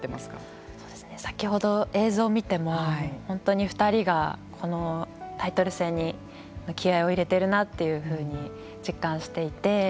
先ほど映像を見ても本当に２人がこのタイトル戦に気合いを入れてるなというふうに実感していて。